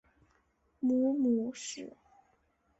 母母氏。